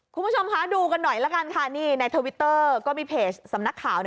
คุณผู้ชมคะดูกันหน่อยละกันค่ะนี่ในทวิตเตอร์ก็มีเพจสำนักข่าว